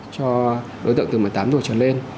cho đối tượng từ một mươi tám tuổi trở lên